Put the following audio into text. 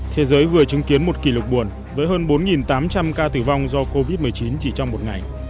thế giới vừa chứng kiến một kỷ lục buồn với hơn bốn tám trăm linh ca tử vong do covid một mươi chín chỉ trong một ngày